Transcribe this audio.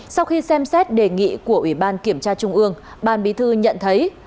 sau khi xem xét đề nghị của ủy ban kiểm tra trung ương ban bí thư nhận thấy